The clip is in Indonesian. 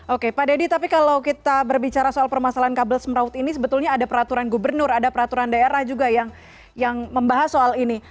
oke pak deddy tapi kalau kita berbicara soal permasalahan kabel semraut ini sebetulnya ada peraturan gubernur ada peraturan daerah juga yang membahas soal ini